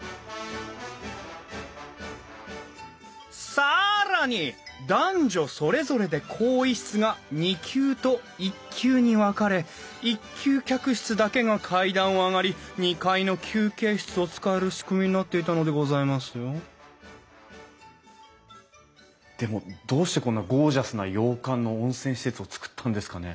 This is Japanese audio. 更に男女それぞれで更衣室が２級と１級に分かれ１級客室だけが階段を上がり２階の休憩室を使える仕組みになっていたのでございますよでもどうしてこんなゴージャスな洋館の温泉施設をつくったんですかね？